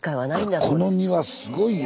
この庭すごいよ。